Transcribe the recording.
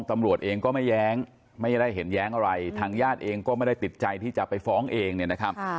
ตำรวจเองก็ไม่แย้งไม่ได้เห็นแย้งอะไรทางญาติเองก็ไม่ได้ติดใจที่จะไปฟ้องเองเนี่ยนะครับ